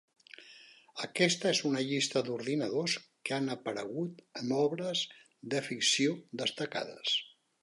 Aquesta és una llista d'ordinadors que han aparegut en obres de ficció destacades.